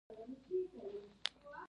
مجرمان به په یوې قلعې کې بندي کېدل.